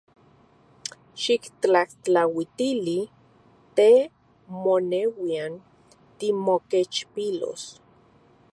Xiktlajtlautili te moneuian timokechpilos.